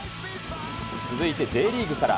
続いてＪリーグから。